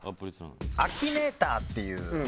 アキネイターっていう